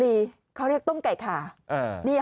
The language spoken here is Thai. พี่บอกว่าบ้านทุกคนในที่นี่